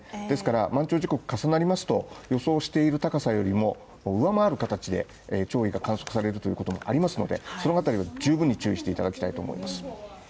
ですから、満潮時刻重なりますと、予想している高さよりも上回る形で潮位が観測されるということもありますのでそのあたりは十分に注意していただきたいと思います。